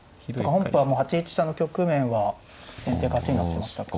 本譜はもう８一飛車の局面は先手勝ちになってましたか。